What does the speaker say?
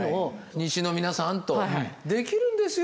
西の皆さんできるんですよ